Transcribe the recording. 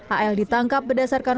a l ditangkap berdasarkan